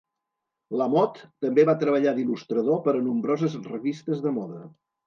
Lamotte també va treballar d'il·lustrador per a nombroses revistes de moda.